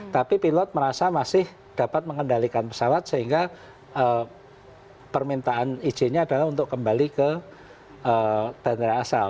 tapi pilot merasa masih dapat mengendalikan pesawat sehingga permintaan izinnya adalah untuk kembali ke bandara asal